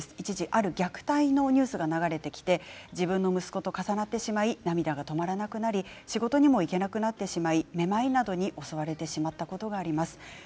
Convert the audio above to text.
ある虐待のニュースが流れてきて自分の息子と重なって涙が止まらなくなり仕事にも行けなくなってめまいに悩まされたことがあります。